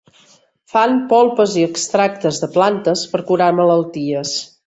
Fan polpes i extractes de plantes per curar malalties.